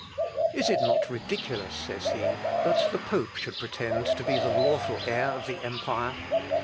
"Is it not ridiculous," says he, "that the pope should pretend to be the lawful heir of the empire?